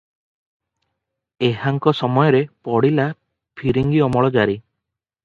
ଏହାଙ୍କ ସମୟରେ ପଡ଼ିଲା ଫିରିଙ୍ଗୀ ଅମଳ ଜାରି ।